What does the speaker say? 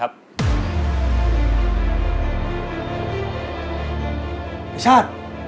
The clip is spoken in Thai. แล้วไอ้ชาติ